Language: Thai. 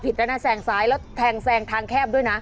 แล้วนะแซงซ้ายแล้วแทงแซงทางแคบด้วยนะ